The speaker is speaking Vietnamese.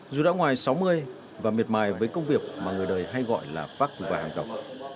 dù đã ngoài sáu mươi và miệt mài với công việc mà người đời hay gọi là phát phục và hạng tộc